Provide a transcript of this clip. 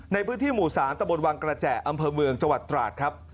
ในพื้นที่หมู่๓ตะบนวังกระแจอำเภอเมืองจังหวัดตราดครับ